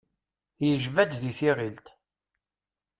Yejba-d di tiɣilt.